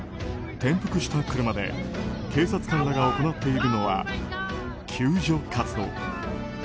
転覆した車で警察官らが行っているのは救助活動。